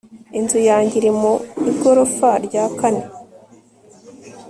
Inzu yanjye iri mu igorofa rya kane